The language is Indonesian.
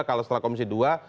kalau setelah komisi dua